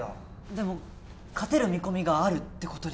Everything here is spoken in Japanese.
でも勝てる見込みがあるってことですよね？